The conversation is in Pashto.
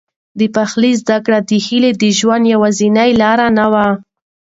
د پخلي زده کړه د هیلې د ژوند یوازینۍ لاره نه وه.